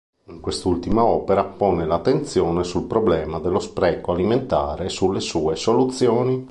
In quest'ultima opera pone l'attenzione sul problema dello spreco alimentare e sulle sue soluzioni.